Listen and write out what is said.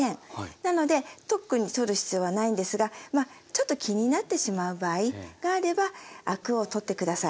なので特に取る必要はないんですがちょっと気になってしまう場合があればアクを取って下さい。